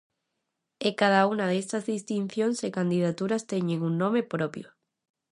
E cada unha destas distincións e candidaturas teñen un nome propio.